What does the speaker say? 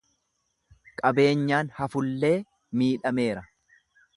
Qabeenyaan hafullee miidhameera.